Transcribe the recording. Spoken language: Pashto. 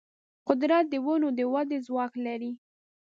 قدرت د ونو د ودې ځواک لري.